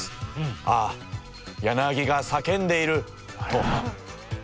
「ああヤナギが叫んでいる！」と。